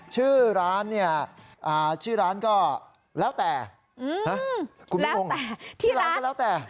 ชื่อร้านเนี่ยชื่อร้านก็แล้วแต่คุณผู้ชมที่ร้านก็แล้วแต่